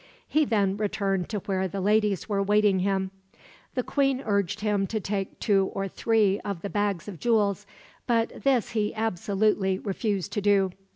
He then returned to where the ladies were waiting him. The queen urged him to take two or three of the bags of jewels, but this he absolutely refused to do.